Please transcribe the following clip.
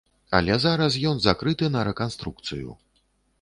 Але зараз ён закрыты на рэканструкцыю.